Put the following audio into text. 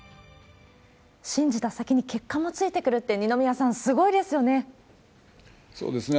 信じた先に結果もついてくるって、二宮さん、そうですね。